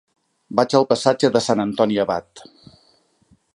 Vaig al passatge de Sant Antoni Abat.